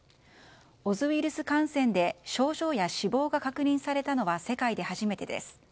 オズウイルス感染で症状や死亡が確認されたのは世界で初めてです。